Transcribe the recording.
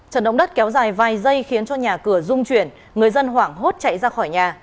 trận động đất kéo dài vài giây khiến cho nhà cửa dung chuyển người dân hoảng hốt chạy ra khỏi nhà